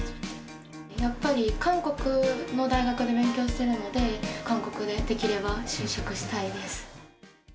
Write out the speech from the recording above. やっぱり韓国の大学で勉強しているので、韓国で、できれば就職したいです。